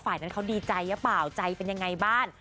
ฝ่ายนั้นเขาดีใจหรือเปล่าใจเป็นยังไงบ้าง